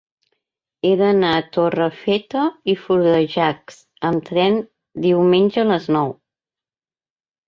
He d'anar a Torrefeta i Florejacs amb tren diumenge a les nou.